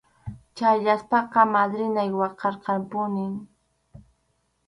Yachaspaqa madrinay waqarqanpunim.